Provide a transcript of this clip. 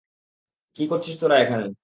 কী করছিস তোরা এখানে?